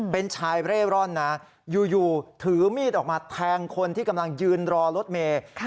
เป็นชายเร่ร่อนนะอยู่ถือมีดออกมาแทงคนที่กำลังยืนรอรถเมย์